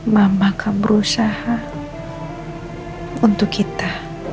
mama kau berusaha untuk kita